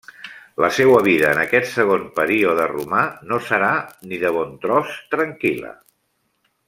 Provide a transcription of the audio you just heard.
La seua vida en aquest segon període romà no serà, ni de bon tros, tranquil·la.